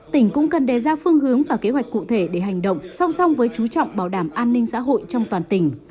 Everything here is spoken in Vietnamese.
tỉnh cũng cần đề ra phương hướng và kế hoạch cụ thể để hành động song song với chú trọng bảo đảm an ninh xã hội trong toàn tỉnh